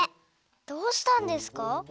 どうしたんですか？